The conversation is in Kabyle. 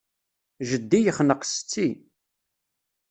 Jeddi yexneq setti.